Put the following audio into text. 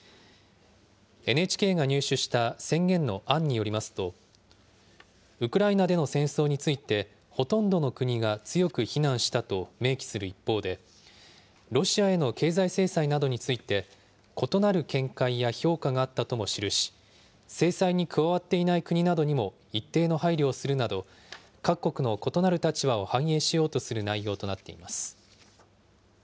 ＮＨＫが入手した宣言の案によりますと、ウクライナでの戦争について、ほとんどの国が強く非難したと明記する一方で、ロシアへの経済制裁などについて、異なる見解や評価があったとも記し、制裁に加わっていない国などにも一定の配慮をするなど、各国の異なる立場を反映しようとする内容となっています。